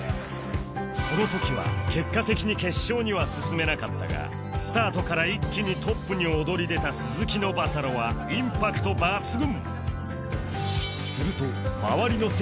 この時は結果的に決勝には進めなかったがスタートから一気にトップに躍り出た鈴木のバサロはインパクト抜群！